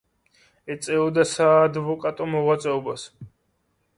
ეწეოდა საადვოკატო მოღვაწეობას.